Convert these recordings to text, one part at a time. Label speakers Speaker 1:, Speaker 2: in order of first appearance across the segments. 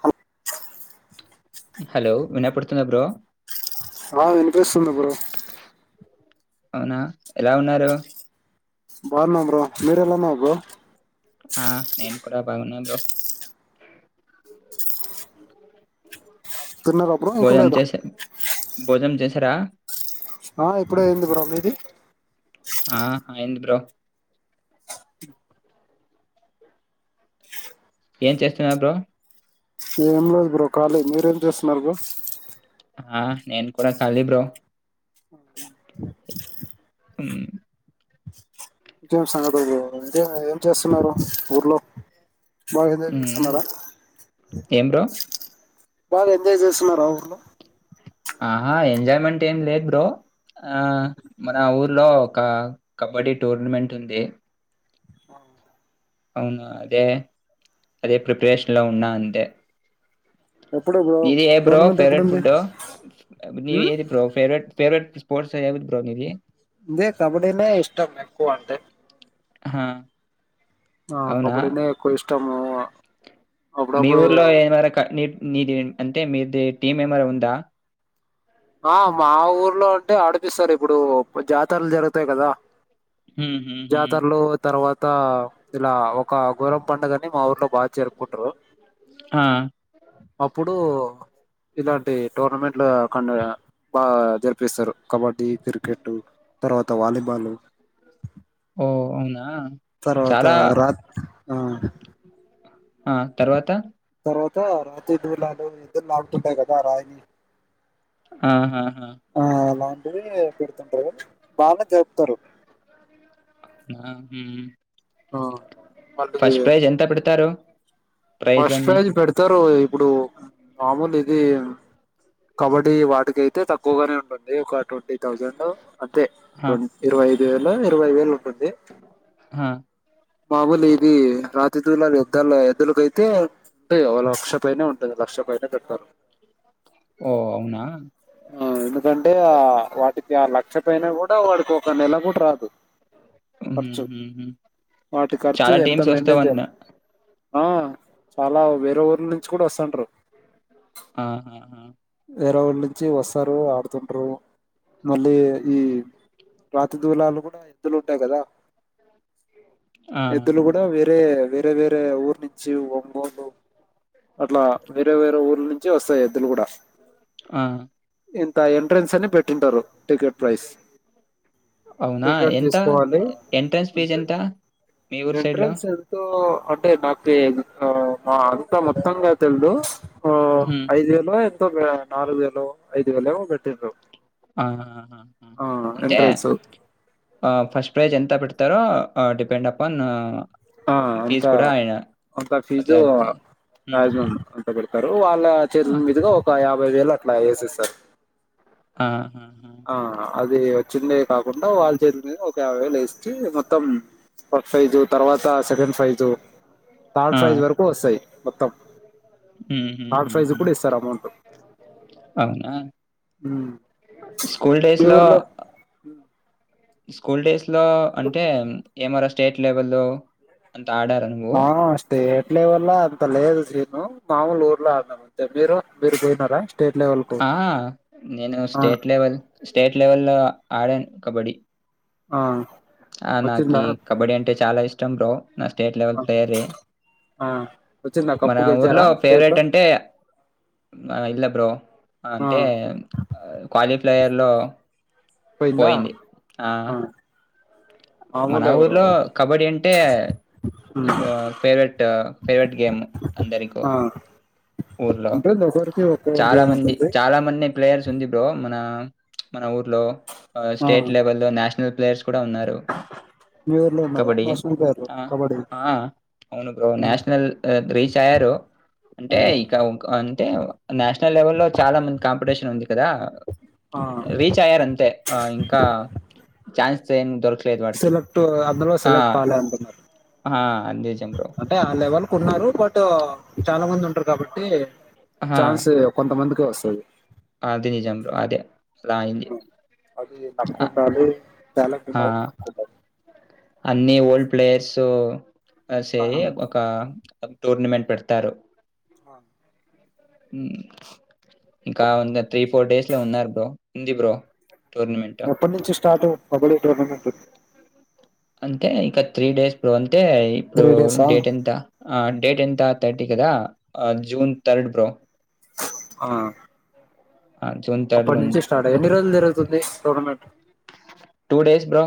Speaker 1: Hello
Speaker 2: hello వినయపడుతుంద bro
Speaker 1: ఆ వెనిపిేస్తుంది బ్రో
Speaker 2: అవునా ఎలా ఉన్నారు
Speaker 1: బాగున్న బ్రో మీరు ఎలా ఉన్నారు బ్రో
Speaker 2: ఆ నేను కూడా బాగున్నా బ్రో
Speaker 1: తిన్నారా బ్రో ఇంకా
Speaker 2: భోజనం
Speaker 1: లేదా
Speaker 2: చెస్ భోజనం చెస్ రా
Speaker 1: ఆ ఇప్పుడ అయింది బ్రో మీది
Speaker 2: ఆ అయింది బ్రో ఏం చేస్తున్నారు బ్రో
Speaker 1: ఏం లేదు బ్రో కాలీ మీరేం చేస్తున్నారు బ్రో
Speaker 2: ఆ నేన్ కూడా కాలి బ్రో
Speaker 1: అవు
Speaker 2: మ్మ్
Speaker 1: ఇకేం సంగతులు బ్రో ఏం చేస్తున్నారు ఊర్లో మాగిదె
Speaker 2: మ్మ్
Speaker 1: తిస్కున్నార
Speaker 2: ఏం బ్రో
Speaker 1: బాగా ఎంజాయ్ చేస్తున్నారా ఊర్లో
Speaker 2: ఆహా ఎంజాయ్మెంట్ ఏం లేద్ బ్రో ఆ మన ఊర్లో ఒక కబడి టోర్నమెంట్ ఉంది.
Speaker 1: ఆహా
Speaker 2: అవున అదే అదె ప్రిపరేషన్ లో ఉన్నా అంతే
Speaker 1: ఎప్పుడు బ్రో
Speaker 2: నీది ఏ బ్రో
Speaker 1: టోర్నమెంట్
Speaker 2: ఫేవరెట్
Speaker 1: ఎప్పుడుంది
Speaker 2: ఫుడు నీ
Speaker 1: ఉమ్
Speaker 2: ఏది బ్రో ఫేవరెట్ ఫేవరెట్ స్పోర్ట్స్ ఎవీ బ్రో నీది
Speaker 1: ఇదే కబడ్డీనే ఇష్టం ఎక్కువ అంటే
Speaker 2: హా
Speaker 1: అ కబడినే ఎక్కువ ఇస్ టమూ
Speaker 2: మీ ఊర్లో ఏ మర క నీ నీట్ అంటె మీది టీమ్ మెమన ఉందా
Speaker 1: ఆ మా ఊర్లో అంటే ఆడిపిస్తరు ఇప్పుడు జాతర్లు జరుగుతాయి కదా
Speaker 2: హ్మ్. హ్మ్. హ్మ్.
Speaker 1: జాతర్లో తర్వాత్ అంత ఇలా ఒక ఘోరం పండగని మా ఊర్లో బా జరుపుకుంటరు
Speaker 2: ఆ
Speaker 1: అప్పుడూ ఇలాంటి టోర్నమెంట్ల కండగా బా జరిపిస్తరు కబడ్డీ, కిర్కెట్టు తర్వాత వాలీబాలు
Speaker 2: ఓ అవునా
Speaker 1: తర్వాతా
Speaker 2: చాలా
Speaker 1: రాత్ ఆ
Speaker 2: ఆ తర్వాత
Speaker 1: తర్వాత రాతి దూలాలు ఇద్దరు లాగుతుంటాయి కదా రాయి
Speaker 2: ఆహాహా
Speaker 1: ఇవే పెడుతుంటరు బాగా జరుపుతరు
Speaker 2: ఆ హమ్ హమ్
Speaker 1: మళ్ళీ
Speaker 2: ఫస్ట్ ప్రైజ్ ఎంత పెడతారు
Speaker 1: ఫస్ట్
Speaker 2: ప్రైజ్‌లన్నీ?
Speaker 1: ప్రైజ్ పెడతరు ఇ ఇప్పుడు మామూల్ ఇది కబడ్డీ వాటికి ఐతే తక్కువగానే ఉంటుంది ఒక ట్వంటీ థౌజండు అంతె
Speaker 2: ఆ!
Speaker 1: టోన్ ఇరవైదు వేలో ఇరవై వేలు ఉన్ కొద్ది
Speaker 2: ఆ!
Speaker 1: బాబుల్ ఇదీ రా తీ దూల యుద్ధాల్లో ఎద్దులకైత్ తే ఉంటాది లక్ష పైనే ఉంటంది లక్ష పైనే పెడతారు
Speaker 2: ఓహ్! అవునా?
Speaker 1: ఆ ఎందుకంటే ఆ వాటికి ఆ లక్ష పైన కూడా వాడికి ఒక నెల గుడా రాదు
Speaker 2: హ్మ్.
Speaker 1: ఖర్చు
Speaker 2: హ్మ్. హ్మ్.
Speaker 1: వాటి ఖర్చు
Speaker 2: చాలా
Speaker 1: ఎంత
Speaker 2: టీమ్స్
Speaker 1: మెయింటైన్
Speaker 2: వస్తావన్న
Speaker 1: చేయాలి ఆ చాలా వేరే ఊర్ నుంచి కూడా వస్తంటారు
Speaker 2: ఆహాహా
Speaker 1: వేరే వాఊళ్ళ నుంచి వస్తారు ఆడుతుంటారు మళ్ళీ ఈ రాతి దూలాలు కూడా ఎందులో ఉంటాయి కదా
Speaker 2: ఆ!
Speaker 1: ఎదులు కూడా వేరే వేరే వేరే ఊరు నుంచి ఒంగోలు అట్లా వేరే వేరే ఊర్ల నుంచి వస్తాయి ఎద్దులు కూడా
Speaker 2: ఆ
Speaker 1: ఇంత ఎంట్రెన్స్ అని పెట్టింటారు టికెట్ ప్రైస్
Speaker 2: అవునా?
Speaker 1: టికెట్
Speaker 2: ఎంత?
Speaker 1: తీసుకోవాలి
Speaker 2: ఎంట్రన్స్ ఫీజ్
Speaker 1: అంటే
Speaker 2: ఎంత మీ ఊరు సైడ్‌లో?
Speaker 1: ఎంట్రెన్స్ ఎంతో అంటే నాకు అంతా మొత్తంగా తెలిదు ఆ
Speaker 2: హ్మ్.
Speaker 1: ఐదు వేలు మ నాలుగు వేలు ఐదు వేలవ పెట్టది్రు
Speaker 2: ఆ అంటే
Speaker 1: ఎంట్రన్స్
Speaker 2: ఆ ఫస్ట్ ప్రైజ్ ఎంత పెడతారో డిపెండ్ అపాన్
Speaker 1: ఆ అంత
Speaker 2: ఫీజ్ కూడా ఆయన
Speaker 1: అంత
Speaker 2: అది
Speaker 1: ఫీజు
Speaker 2: అది
Speaker 1: జ
Speaker 2: ఉహు.
Speaker 1: అంత పెడతారు వాళ్ళ
Speaker 2: ఆ,
Speaker 1: చేతుల మీదుగా ఒక యాభై ఇవై వేలు అట్లా వేసే సార్
Speaker 2: ఆా
Speaker 1: అదే చిండవి కాకుండా వాళ్ళ చేతు వేస్ మొత్తం ఫస్ ప్రైజు తర్వాత సెకండ్ ఫైజ థర్డ్
Speaker 2: ఆ,
Speaker 1: ఫ్రైజ్ వరకు వస్తాయి మొత్తం థర్డ్ ఫైజ్
Speaker 2: ఉహుహుహు.
Speaker 1: కూడా ఇస్తారు అమౌంట్
Speaker 2: అవునా స్కూల్ డేస్
Speaker 1: మీ
Speaker 2: లో
Speaker 1: ఊర్లో
Speaker 2: స్కూల్ డేస్ ఇట్లో అంటే ఏమార స్టేట్ లేవల్
Speaker 1: ఆ స్టేట్ లెవల్ లో అంత లేదు నేను మాముూలు ఊరులో ఆనాను అంతే మీరు మీరు పోయినారా స్టేట్ లెవెల్ కు
Speaker 2: ఆ నేను
Speaker 1: ఆ
Speaker 2: స్టేట్ లెవెల్ స్టేట్ లెవెల్ ఆడన్ కబడ్డి
Speaker 1: ఆ
Speaker 2: ఆ
Speaker 1: వచ్చిందా
Speaker 2: నాకి కబడ్డీ అంటే చాలా ఇష్టం టం బ్రో నా స్టేట్ లెవెల్
Speaker 1: ఆ
Speaker 2: ప్లేయర్
Speaker 1: ఆ వచ్చిందా
Speaker 2: మన
Speaker 1: కప్పు గెలిచారా
Speaker 2: ఊర్లో
Speaker 1: స్టేట్
Speaker 2: ఫేవరెట్
Speaker 1: లో
Speaker 2: అంటే ఇలా బ్రో
Speaker 1: ఆ
Speaker 2: అంటే క్వాలిఫయర్ లో
Speaker 1: పోయిందా
Speaker 2: పోయింది ఆ మన
Speaker 1: మామూలే బ్రో
Speaker 2: ఊర్లో కబడ్డీ అంటే ఫేవరెట్ ఫేవరెట్ గేమ్ అందరికి
Speaker 1: ఆ
Speaker 2: ఊర్లో
Speaker 1: ఉంటుంది ఒకరికి ఒక్కో
Speaker 2: చాలా
Speaker 1: గేమ్
Speaker 2: మంది
Speaker 1: ఉంటుంది
Speaker 2: చాలా మంది ప్లే ఉంది మన మన ఊ లో
Speaker 1: ఆ
Speaker 2: స్టేట్ లెవెల్ లో నేషనల్ ప్లాష్ ఉన్నారు
Speaker 1: మీ ఊర్లో ఉన్నారా
Speaker 2: కబడీ
Speaker 1: నేషనల్ ప్లేయర్ కబడ్డీ
Speaker 2: అవును
Speaker 1: ఆ
Speaker 2: నషనల్ రీచ్ అయ్యారు
Speaker 1: ఆ
Speaker 2: అంటే ఇక అంటే నేషనల్ లెవెల్ లో చాలా మంది కాంపిటీషన్ ఉంది కదా
Speaker 1: ఆ
Speaker 2: రీచ్ అయ్యారు అంతే ఇంకా ఛాన్స్ [inaudible]
Speaker 1: సెలెక్ట్ అందలో
Speaker 2: ఆ
Speaker 1: సెలెక్ట్ కలే అంటున్నారు
Speaker 2: చె్ర
Speaker 1: లెవల్ కు ఉన్నారు బట్ చాలా మంది ఉంటారు కాబట్టి ఛాన్స్ కొంతమందికి వస్తది
Speaker 2: అదే నిజాంబ్ర అదే అలా అయింది.
Speaker 1: అది నక్క్క
Speaker 2: అ
Speaker 1: ఉండాలి తాలట్
Speaker 2: ఆ!
Speaker 1: ఉన్నా కూడా నక్క్క ఉండాలి
Speaker 2: అన్ని ఓల్డ్ ప్లేయర్స్ సే
Speaker 1: ఆ
Speaker 2: ఒక టోర్నమెంట్ పెడతారు
Speaker 1: అ
Speaker 2: ఇంకా త్రీ ఫోర్ డేస్ లో ఉన్నారు బ్రో ఉంది బ్రో టోర్నమెంట్.
Speaker 1: ఎప్పటి నుంచి స్టార్ట్ కబడ్డీ టోర్నమెంట్
Speaker 2: అంతే ఇక త్రీ డేస్ బ్రో అంతే ఇప్పుడు
Speaker 1: త్రీ డేసా
Speaker 2: డేట్ ఎంత ఆ డేట్ ఎంత థర్టీ కదా జూన్ థర్డ్ బో
Speaker 1: ఆ
Speaker 2: జూన్
Speaker 1: అప్పటి
Speaker 2: ఉంది.
Speaker 1: నుంచి స్టార్ట్ ఎన్ని రోజులు జరుగుతుంది tournament
Speaker 2: two days bro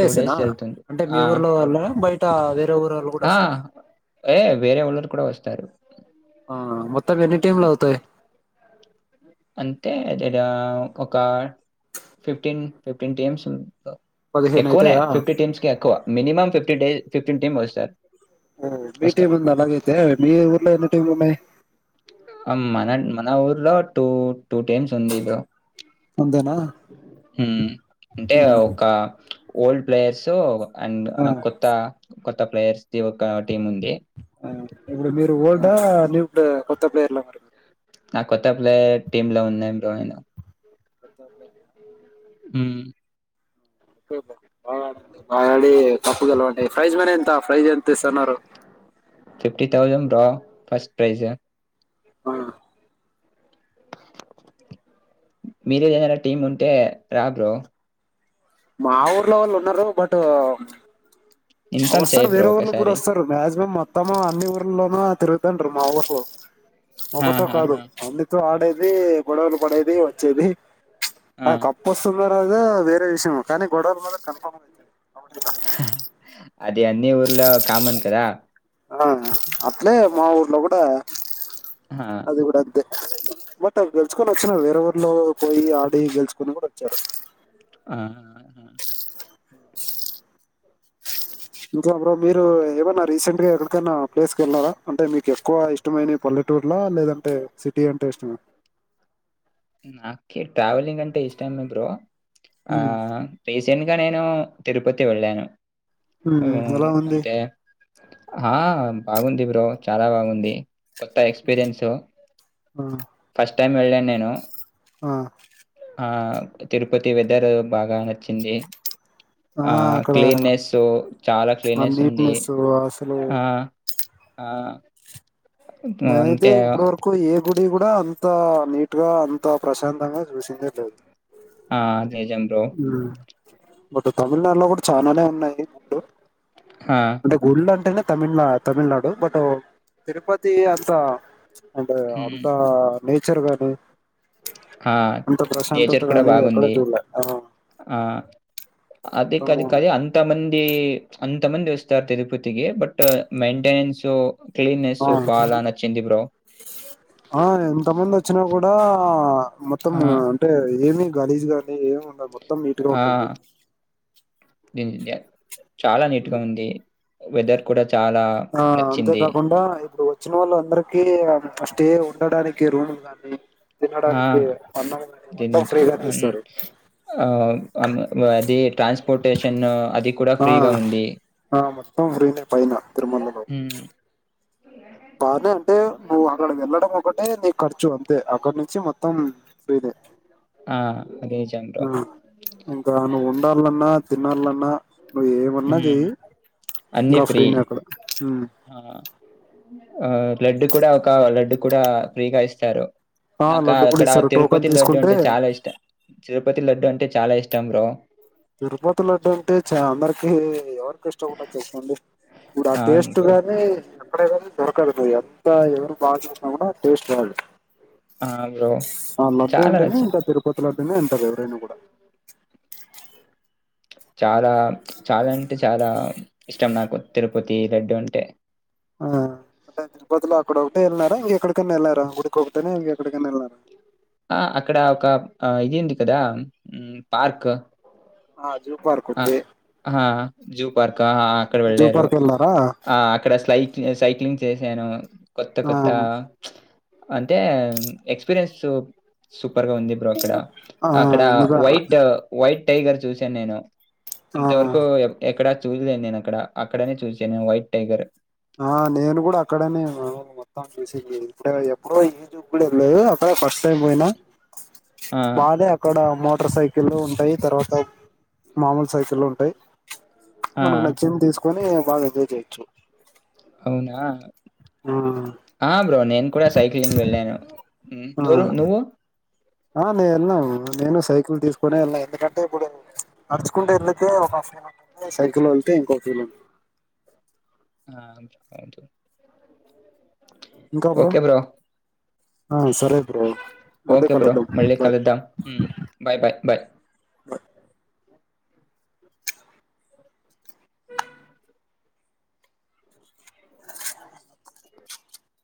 Speaker 2: two days జరుగుతుంది
Speaker 1: అంటే మీ
Speaker 2: ఆ
Speaker 1: ఊర్లో
Speaker 2: టూడ
Speaker 1: వాళ్ళ బయట వేరే ఊరు వాళ్ళు కూడా
Speaker 2: ఆ
Speaker 1: వస్తారా
Speaker 2: ఏ వేరే వాఊళ్ళరు కూడా వస్తారు
Speaker 1: ఆ మొత్త మీ ఎన్ని టైమ్లావుతయ
Speaker 2: అంటేదద ఒక ఫిఫ్టీన్ ఫిఫ్టీన్ టీమ్స్
Speaker 1: పదిహేను
Speaker 2: ఎక్కువనే
Speaker 1: అయితాయా
Speaker 2: ఫిఫ్టీ టీమ్స్ క ఎక్కువ మినిమమ్ ఫిఫ్టీ డ ఫిఫ్టీన్ టీమ్ వస్త సార్
Speaker 1: ఓ మీ టీమ్ అలాగైతే మీ ఊర్లో ఏన్ని టీమ్ ఉన్నాయి
Speaker 2: మన మన ఊర్లో టూ టూ టైమ్స్ ఉంది
Speaker 1: అంతేనా
Speaker 2: హ్మ అంటే
Speaker 1: ఉమ్
Speaker 2: ఒక ఓల్డ్ ప్లేయర్స్ అండ్
Speaker 1: ఆ
Speaker 2: కొత్తా కొత్త ప్లేయర్స్ ది ఒక టీం ఉంది
Speaker 1: అ ఇప్పుడు మీరు ఓల్డా న్యూడా కొత్త ప్లేర్లా మరీ
Speaker 2: నా కొత్త ప్లేయర్ టీమ్ లో ఉన్నాం బ్రోను
Speaker 1: కొత
Speaker 2: ఉ
Speaker 1: తే బ్రో బాగా ఆడండి బాగాడి కప్పు గలవండి ఫ్రైజ్ మనే ఎంత ఫ్రైజ్ ఎంత ఇస్తున్నారు.
Speaker 2: Fifty thousand bro first prize
Speaker 1: ఆ
Speaker 2: మీరేద టీం ఉంటే రాబ్రో
Speaker 1: మా ఊర్లో వాళ్ళు ఉన్నారు బట్
Speaker 2: ఇన్ఫామ్ చేయ
Speaker 1: వస్తారుార్
Speaker 2: బ్రో
Speaker 1: వేరేవరులా కూడా
Speaker 2: ఒకసారి
Speaker 1: వస్తారు మ్యాక్సిమమ్ మొత్తము అన్ని ఊర్లోనూ తిరుగుతుంటారు మా వోల్
Speaker 2: ఆ,
Speaker 1: ఒక్కత
Speaker 2: ఆ,
Speaker 1: కాదు
Speaker 2: ఆ,
Speaker 1: అంనీతో ఆడే దే గడవలు పడేది వచ్చేది ఆ కప్ప వస్తుందా పగ వేరే విషయం కానీ గొడవలు మాత్ర కన్ఫామ్
Speaker 2: అది అన్ని ఊర్లో కామన్ కదా
Speaker 1: ఆ అట్లే మా ఊర్లో కూడా
Speaker 2: ఆ,
Speaker 1: అది కూడా అంతే బట్ అవి గెలుచుకొని వచ్చిన వేరే ఊరిలో పోయి ఆడి గెలుచుకొని కూడా వచ్చారూ.
Speaker 2: ఆ
Speaker 1: అ ఇంకా బ్రో మీరు ఏమన్నా రీసెంట్ గా ఎక్కడికైనా ప్లేస్ క వెళ్ళలారా, అంటే మీకు ఎక్కువ ఇష్టమైన పల్లెటూరులో లేదంటే సిటీ అంటే ఇష్టమా.
Speaker 2: నాకే ట్రావెలింగ్ అంటే ఇష్టం మే బ్రో ఆ
Speaker 1: ఉమ్,
Speaker 2: ఫేస్ జనుగా నేను తిరుపతి వెళ్ళాను హ్మ్.
Speaker 1: ఎలా ఉంది
Speaker 2: అంటే ఆ బాగుంది బ్రో చాలా బాగుంది కొత్త ఎక్స్పీరియన్సు
Speaker 1: ఆ,
Speaker 2: ఫస్ట్ టైం వెళ్ళాను నేను
Speaker 1: ఆ
Speaker 2: ఆ తిరుపతి వెదర్ బాగా నచ్చింది ఆ క్లీనెస్ చాలా
Speaker 1: ఆ
Speaker 2: క్లీనెస్ ఉంది
Speaker 1: నీట్నెస్ అసలు
Speaker 2: ఆ ఆ
Speaker 1: నేనయితే
Speaker 2: అంటే
Speaker 1: ఇప్పుడు వరకు ఏ గుడి కూడా అంత నీట్ గా అంత ప్రశాంతంగా చూసిందే లేద్.
Speaker 2: ఆ నిజం బ్రొ
Speaker 1: బట్ తమిళనాడులో కూడ్ చానానే ఉన్నాయ్. డు
Speaker 2: ఆ!
Speaker 1: అంటే గుళ్ళు అంటేనే తమిళనా తమిళనాడు బట్ తిరుపతి అంతా అంటే
Speaker 2: హ్మ్.
Speaker 1: అంతా నేచర్ కానీ
Speaker 2: ఆ నేచర్ కూడా
Speaker 1: గాని ఎక్కడ
Speaker 2: బాగుంది.
Speaker 1: చూడలే ఆ
Speaker 2: ఆ అదిక్
Speaker 1: మొత్తము
Speaker 2: కాదికది అంత మంది అంత తమంది వస్స్తా తిరుపతికి బట్ మైయింటెనెన్స్
Speaker 1: ఆ ఆ ఎంత మంది వచ్చినా కూడా ఆ మొత్తం
Speaker 2: ఆ!
Speaker 1: అంటే ఏమి గలీజ్ కానీ ఏం ఉన్నబ
Speaker 2: ఆ నిన్య చాలా నీట్గా ఉంది. వెదర్ కూడా చ్
Speaker 1: ఆ అంతేకాకుండా ఇప్పుడు వ వచ్చిన వాళ్ళు అందరికి చ్ స్టే ఉండడానికి రూముందండి.
Speaker 2: ఆ గెన్నిచ్
Speaker 1: ఫ్రీగానే
Speaker 2: అన్
Speaker 1: ఇస్తారు
Speaker 2: అం అన్ అది ట్రాన్స్పోర్టేషన్ అది కూడా
Speaker 1: ఆ
Speaker 2: ఫ్రీగా ఉంది.
Speaker 1: ఆ మొత్తం ఫ్రీనే పైన తిరుమలలో చ్చ్
Speaker 2: హ్మ్.
Speaker 1: బానే అంటే నువ్వు అక్కడ వెళ్ళడం ఒకటే నీ ఖర్చు అంతే అక్కడి నుంచి మొత్తం ఫ్రీ నే
Speaker 2: ఆ అది నిజం బ్రో.
Speaker 1: ఆ ఇంకా నువ్వు ఉండాలన్నా తినాలన్నా నువ్ ఏమన్నా
Speaker 2: హ్మ్.
Speaker 1: చెయ్యి
Speaker 2: అన్నీ
Speaker 1: ఇంకా
Speaker 2: ఫ్రీ.
Speaker 1: ఫ్రీనే అక్కడ
Speaker 2: ఆ ఆ లడ్డు కూడా ఒక లడ్డు కూడా ఫ్రీగా ఇస్తారు.
Speaker 1: ఆ
Speaker 2: నాకా
Speaker 1: లడ్డు కూడా
Speaker 2: అక్కడ
Speaker 1: ఇస్తారు
Speaker 2: తిరుపతి
Speaker 1: టోకన్
Speaker 2: లడ్డు
Speaker 1: తీసుకుంటే
Speaker 2: అంటే చాలా ఇష్ట, చు తిరుపతి లడ్డు అంటే చాలా ఇష్టం. బ్రో
Speaker 1: తిరుపతి లడ్డంటే చ అందరికి ఎవర్ కిష్ట ఉండదు చెప్పండి. ఇప్పుడు ఆ
Speaker 2: అవును
Speaker 1: టేస్ట్
Speaker 2: బ్రో
Speaker 1: గానీ అక్కడే కానీ దొర్ కరుగుతది అంత ఎవరు బాగుచేసిన కూడా టేస్ట్ రాదు
Speaker 2: ఆ బ్రో
Speaker 1: ఆ లడ్డూ
Speaker 2: చాలా
Speaker 1: అంటేనే
Speaker 2: నచ్చి
Speaker 1: ఇంకా తిరుపతి ల తినే ఉంటారు ఎవరేను గూడా
Speaker 2: చాలా చాలా అంటే చాలా ఇష్టం నాకు తిరుపతి లడ్డూ అంటే
Speaker 1: ఆ అంటే తిరుపతి లో అక్కడ ఒక్కటే వెళ్ళినా రా ఇంగెక్కడికైనా వెళ్ళారా గుడికొకటే న ఇంగెక్కడికైనా వెళ్ళార,
Speaker 2: ఆ అక్కడ ఒక అ ఇది ఉంది కదా మ్మ్ పార్క్
Speaker 1: ఆ జూ పార్క్
Speaker 2: అ
Speaker 1: ఉంది
Speaker 2: ఆ జూ పార్క ఆ అక్కడ
Speaker 1: జూ
Speaker 2: వెళ్లారు
Speaker 1: పార్క్ వెళ్ళారా
Speaker 2: అక్కడ సైక్ సైక్లింగ్, చేశాను కొత్త
Speaker 1: ఆ
Speaker 2: కొత్త అంటే ఎక్స్పీరియన్స్ సు పర్ గా ఉంది బ్రో అక్కడ
Speaker 1: ఆ
Speaker 2: అక్కడ
Speaker 1: ఎందుక
Speaker 2: వైట్ వై టైగర్ చూసాన్ నేను
Speaker 1: ఆ
Speaker 2: ఇంతవరకు ఎ ఎక్కడా చూసాన్ నేను అక్కడ అక్కడనే చూసాను నేను వైట్ టైగర్
Speaker 1: ఆ నేను కూడా అక్కడనే మొత్తం చూసింది ఇప్పుడే గాద్ ఎప్పుడో ఈ ట్యూబ్ లల్లో ఆ ఫస్ట్ టైం పోయినా
Speaker 2: ఆ!
Speaker 1: బాధే అక్కడ టర్ సైకిళ్ళు ఉంటయ్ తర్వాత మాములు సైకిళ్ళు ఉంటయ్
Speaker 2: ఆ!
Speaker 1: మనకు నచ్చింది తీసు కొని బాగా ఎంజాయ్ జేచ్చు
Speaker 2: వునా
Speaker 1: ఆ
Speaker 2: నేన్ కూడా సైక్లింగ్ వెళ్ళాను
Speaker 1: ఆ
Speaker 2: నూరు నువ్వు
Speaker 1: ఆ నే వెళ్ళను నేను సైకిల్ తీసుకొనే వెళ్ళ ఎందుకంటే, ఇప్పుడు ప్చ్ నడుచుకుంటే వెళ్ళితే ఒక హాఫ్ నవ సైకిల్ వెళితే ఇంకొక కిలో
Speaker 2: ఆ ఓకే బ్రో
Speaker 1: ఆ సరే బ్రో మళ్ళీ
Speaker 2: ఓకే బ్రో
Speaker 1: కలుద్దాం
Speaker 2: మళ్ళీ
Speaker 1: బాయ్
Speaker 2: కలుద్దాం బాయ్ బాయ్ బయ్